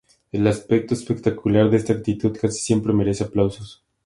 El aspecto espectacular de esta actitud casi siempre merece aplausos.